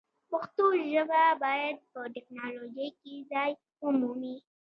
پښتو ژبه باید په ټکنالوژۍ کې ځای ومومي.